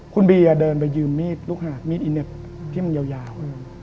คุณบีเดินไปยืมมีดลูกหาดมีดอิเน็ตที่มันยาว